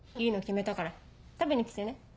いいの決めたから食べに来てね。